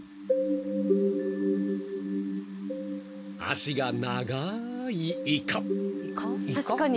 ［足が長いイカ］